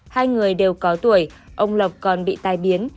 hai người đều có tuổi ông lộc còn bị tai biến